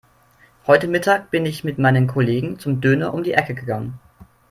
Heute Mittag bin ich mit meinen Kollegen zum Döner um die Ecke gegangen.